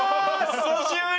久しぶり。